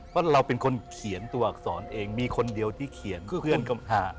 เพราะเราเป็นคนเขียนตัวอักษรเองมีคนเดียวที่เขียนคือเพื่อนกำหา